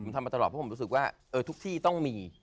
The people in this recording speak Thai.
ทำมาตลอดเพราะดูที่ต้องมี